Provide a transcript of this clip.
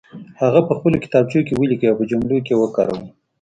هغه په خپلو کتابچو کې ولیکئ او په جملو کې وکاروئ.